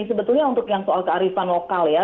sebetulnya untuk yang soal kearifan lokal ya